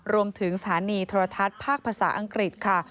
รวมถึงสถานีโทรทัศน์ภาคภาษาอังกฤษค่ะ